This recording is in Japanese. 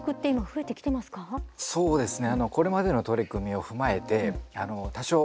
そうですね。